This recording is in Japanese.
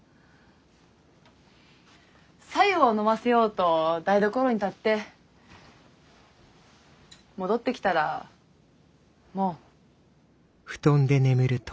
白湯を飲ませようと台所に立って戻って来たらもう。